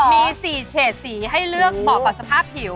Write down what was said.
มี๔เฉดสีให้เลือกเหมาะกับสภาพผิว